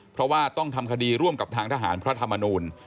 เพราะว่าต้องทำคดีร่วมกับทางทหารพระธรรมนูล